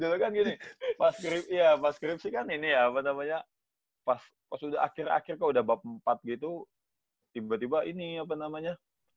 jadul kan gini pas skripsi kan ini ya apa namanya pas udah akhir akhir kok udah bab empat gitu tiba tiba ini apa namanya